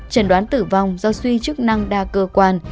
trần đoán tử vong do suy chức năng đa cơ quan